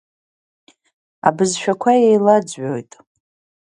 Абызшәақәа еилаӡҩоит…